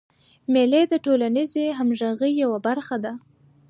مېلې د ټولنیزي همږغۍ یوه برخه ده.